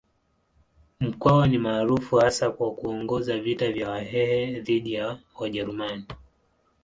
Mkwawa ni maarufu hasa kwa kuongoza vita vya Wahehe dhidi ya Wajerumani.